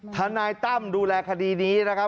ถ้านายตั้มดูแลคดีนี้